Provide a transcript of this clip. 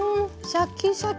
シャキシャキ！